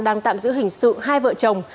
đang tạm giữ hình sự hai vợ chồng